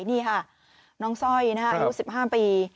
นี่ค่ะน้องสร้อยอายุ๑๕ปี